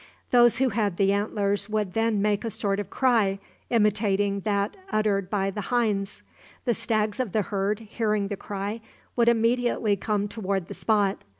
Those who had the antlers would then make a sort of cry, imitating that uttered by the hinds. The stags of the herd, hearing the cry, would immediately come toward the spot.